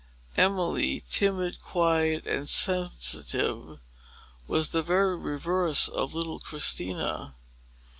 Emily, timid, quiet, and sensitive, was the very reverse of little Christina.